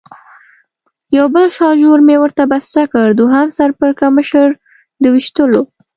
یو بل شاژور مې ورته بسته کړ، دوهم سر پړکمشر د وېشتلو.